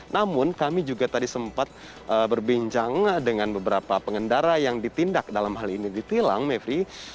namun kami juga tadi sempat berbincang dengan beberapa pengendara yang ditindak dalam hal ini di tilang mevri